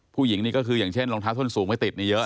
ผู้หญิงนี่ก็คืออย่างเช่นรองเท้าส้นสูงไม่ติดนี่เยอะ